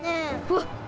わっ！